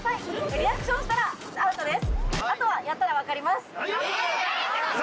リアクションしたらアウトです・えーっ？